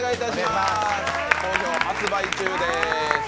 好評発売中です。